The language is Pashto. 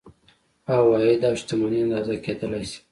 عواید او شتمني اندازه کیدلی شي.